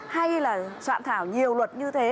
hay là soạn thảo nhiều luật như thế